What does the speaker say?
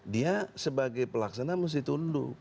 dia sebagai pelaksana mesti tunduk